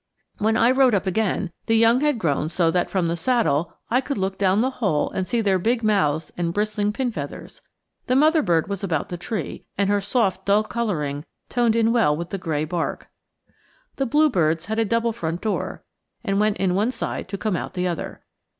When I rode up again, the young had grown so that from the saddle I could look down the hole and see their big mouths and bristling pin feathers. The mother bird was about the tree, and her soft dull coloring toned in well with the gray bark. The bluebirds had a double front door, and went in one side to come out the other.